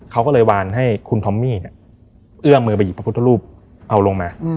เขาก็เลยวานให้คุณทอมมี่เอื้อมมือไปหยิบพระพุทธรูปเอาลงมา